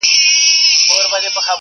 که زه کوښښ وکړم، پرمختګ کوم.